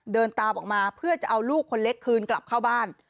เดินตามออกมาเพื่อจะเอาลูกคนเล็กคืนกลับเข้าบ้าน